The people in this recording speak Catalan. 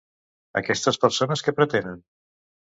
Aquestes persones què pretenen?